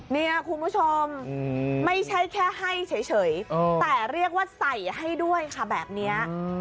เนี่ยคุณผู้ชมไม่ใช่แค่ให้เฉยแต่เรียกว่าใส่ให้ด้วยค่ะแบบนี้